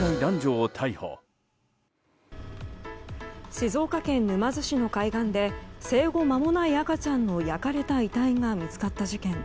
静岡県沼津市の海岸で生後間もない赤ちゃんの焼かれた遺体が見つかった事件。